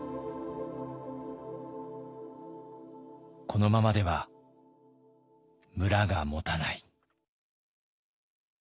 このままでは村がもたない。